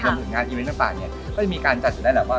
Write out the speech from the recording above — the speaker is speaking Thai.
ผลงานอีเวนต์ต่างเนี่ยก็จะมีการจัดอยู่ได้แหละว่า